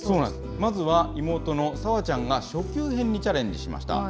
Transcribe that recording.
まずは妹の沙和ちゃんが初級編にチャレンジしました。